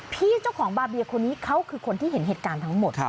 พี่เจ้าของบาเบียคนนี้เขาคือคนที่เห็นเหตุการณ์ทั้งหมด